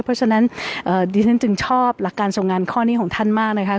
เพราะฉะนั้นดิฉันจึงชอบหลักการทรงงานข้อนี้ของท่านมากนะคะ